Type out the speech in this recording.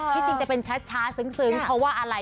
ที่จริงจะเป็นช้าซึ้งเพราะว่าอะไร